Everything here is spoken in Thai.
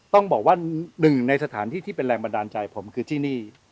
ต้องบอกว่าหนึ่งในสถานที่ที่เป็นแรงบันดาลใจผมคือที่นี่